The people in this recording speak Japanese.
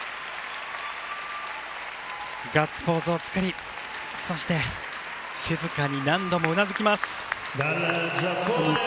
ガッツポーズを作りそして静かに何度もうなずきます。